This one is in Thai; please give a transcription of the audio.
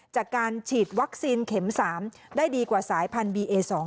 จากการฉีดวัคซีนเข็ม๓ได้ดีกว่าสายพันธุบีเอ๒